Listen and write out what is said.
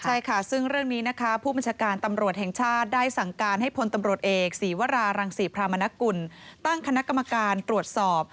ใช่ค่ะซึ่งเรื่องนี้นะคะผู้บัญชาการตำรวจแห่งชาติได้สั่งการให้พลตำรวจเอกศีวรารังศรีพรามนกุลตั้งคณะกรรมการตรวจสอบ